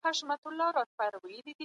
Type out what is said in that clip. صلیبي جنګونه په همدې تاریخي دوره کي وسول.